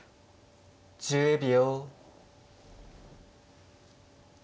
１０秒。